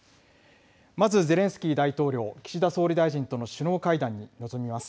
まずゼレンスキー大統領、岸田総理大臣との首脳会談に臨みます。